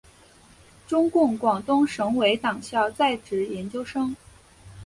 中共广东省委党校在职研究生。